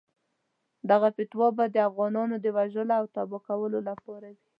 دغه فتوا به د افغانانو د وژلو او تباه کولو لپاره وي.